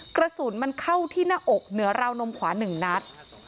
กระสุนมันเข้าที่หน้าอกเหนือราวนมขวา๑นัด